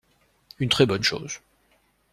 Une très bonne chose.